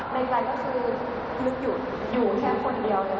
ในใจก็คือนึกอยู่แค่คนเดียวเลยค่ะ